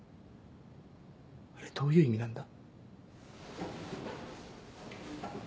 あれどういう意味なんだ？